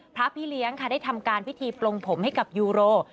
พระพี่เลี้ยงค่ะได้ทำการพิธีปลงผมให้กับยูโร